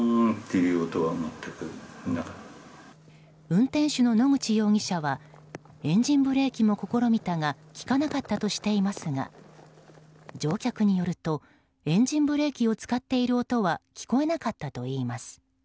運転手の野口容疑者はエンジンブレーキも試みたが利かなかったとしていますが乗客によるとエンジンブレーキを使っている音は聞こえなかったといいます。